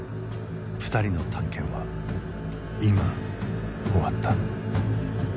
２人の探検は今終わった。